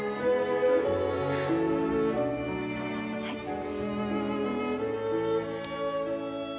はい。